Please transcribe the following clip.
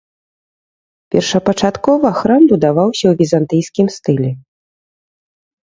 Першапачаткова храм будаваўся ў візантыйскім стылі.